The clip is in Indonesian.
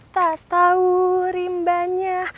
tak tahu rimbanya